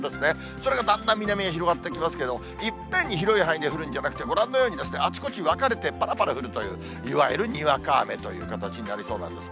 それがだんだん南へ広がってきますけれども、いっぺんに広い範囲で降るんじゃなくて、ご覧のようにあちこち分かれて、ぱらぱら降るという、いわゆるにわか雨という形になりそうなんです。